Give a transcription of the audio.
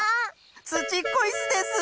ツチッコイスです！